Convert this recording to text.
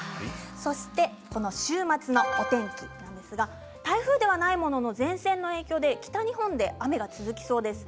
そして、この週末のお天気ですが台風ではないものの前線の影響で北日本で雨が続きそうです。